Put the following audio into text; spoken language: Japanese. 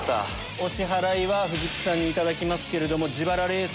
お支払いは藤木さんに頂きますけれども自腹レース